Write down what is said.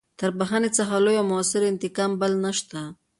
تر بخښنې څخه لوی او مؤثر انتقام بل نشته.